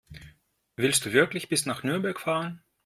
Willst du wirklich bis nach Nürnberg fahren?